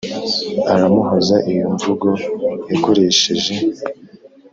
aramuhoza iyo nvugo yakoresheje